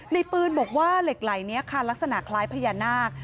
ในปืนบอกว่าเหล็กไหล่นี้ค่ะลักษณะคล้ายพญานาค